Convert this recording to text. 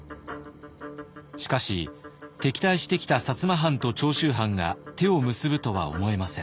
しかし敵対してきた摩藩と長州藩が手を結ぶとは思えません。